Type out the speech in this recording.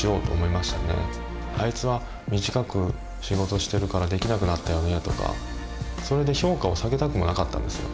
「あいつは短く仕事してるからできなくなったよね」とかそれで評価を下げたくもなかったんですよ。